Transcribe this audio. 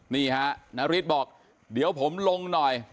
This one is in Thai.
นี่ฮะนาริสบอกเดี๋ยวผมลงหน่อย